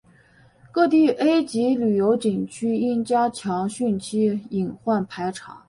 各地 A 级旅游景区应加强汛期隐患排查